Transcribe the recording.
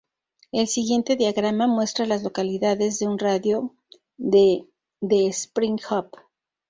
El siguiente diagrama muestra a las localidades en un radio de de Spring Hope.